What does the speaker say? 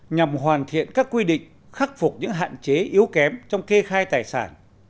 nhằm hoàn thiện các quy định khắc phục những hạn chế yếu kém trong kê khai tài sản